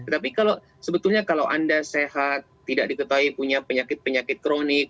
tapi kalau sebetulnya kalau anda sehat tidak diketahui punya penyakit penyakit kronik